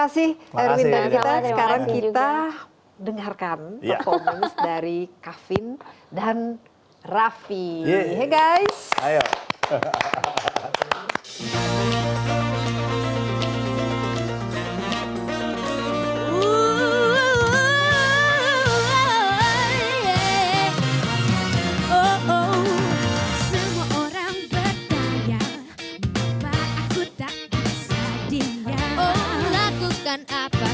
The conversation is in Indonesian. terima kasih erwin dan gita